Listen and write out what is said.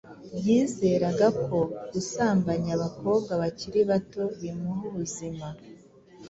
yizeraga ko gusambanya abakobwa bakiri bato bimuha ubuzima